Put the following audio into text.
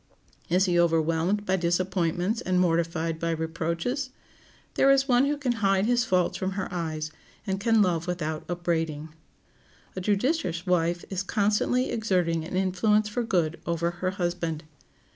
Is he overwhelmed by disappointments and mortified by reproaches? There is one who can hide his faults from her eyes, and can love without up braiding. A judicious wife is constantly exerting an influence for good over her husband.